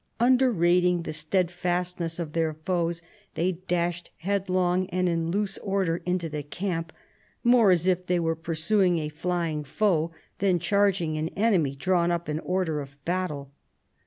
Underrating the steadfastness of their foes they dashed headlong and in loose order into the camp, more as if they were pursuing a flying foe than charging an enemy drawn up in order of battle.